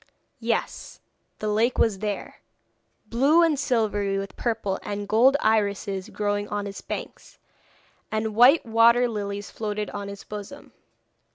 Yes, the lake was there, blue and silvery with purple and gold irises growing on its banks, and white water lilies floated on its bosom.